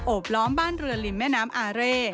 บล้อมบ้านเรือริมแม่น้ำอาเร่